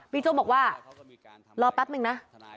โจ๊กบอกว่ารอแป๊บนึงนะ